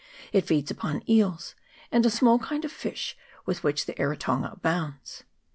It feeds upon eels and a small kind of fish with which the Eritonga abounds.